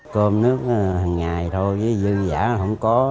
cơm nước hằng ngày thôi với dư giả không có